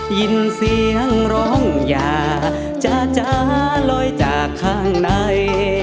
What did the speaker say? ยินเสียงร้องอย่าจ้าลอยจากข้างใน